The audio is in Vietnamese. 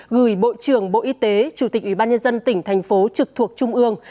gửi bộ trưởng bộ y tế chủ tịch ủy ban nhân dân tỉnh thành phố trực thuộc trung ương